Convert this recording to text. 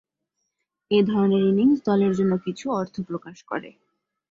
এ ধরনের ইনিংস দলের জন্য কিছু অর্থ প্রকাশ করে।